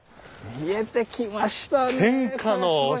見えてきましたねえ。